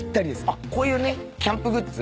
あっこういうねキャンプグッズ。